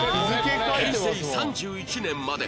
平成３１年まで